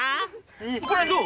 これどう？